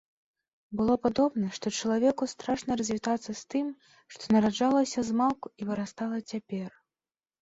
Было падобна, што чалавеку страшна развітацца з тым, што нараджалася змалку і вырастала цяпер.